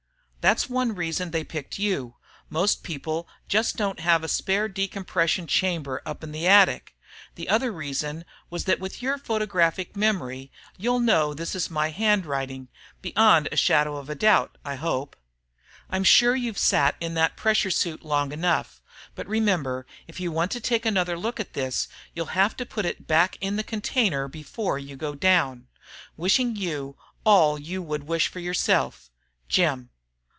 That's one reason they picked you most people just don't have a spare decompression chamber up in the attic! The other reason was that with your photographic memory, you'll know this is my handwriting, beyond the shadow of a doubt, I hope. I'm sure you've sat in that pressure suit long enough. But remember, if you want to take another look at this, you'll have to put it back in the container before you go "down." Wishing you all you would wish for yourself, Jim.